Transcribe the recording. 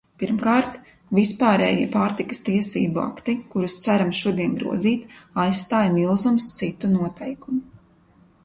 Pirmkārt, vispārējie pārtikas tiesību akti, kurus ceram šodien grozīt, aizstāja milzums citu noteikumu.